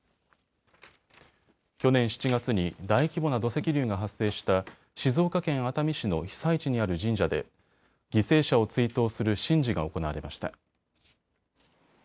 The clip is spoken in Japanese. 去年７月に大規模な土石流が発生した静岡県熱海市の被災地にある神社で犠牲者を追悼する神事が行われました。